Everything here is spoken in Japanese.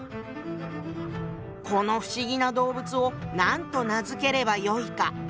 「この不思議な動物を何と名付ければよいか」。